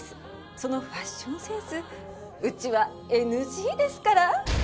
そのファッションセンスうちはＮＧですから。